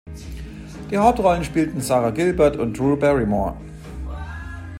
Die Hauptrollen spielten Sara Gilbert und Drew Barrymore.